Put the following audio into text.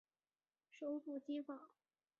首府基法。